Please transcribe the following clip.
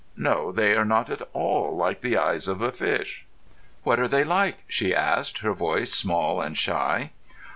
"No, they are not at all like the eyes of a fish." "What are they like?" she asked, her voice small and shy.